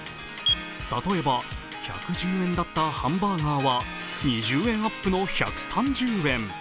例えば、１１０円だったハンバーガーは２０円アップの１３０円。